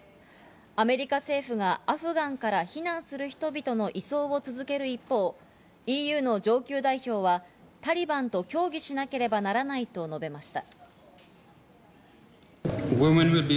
アメリカ政府がアフガンから避難する人々の移送を続ける一方、ＥＵの上級代表はタリバンと協議しなければならないと述べました。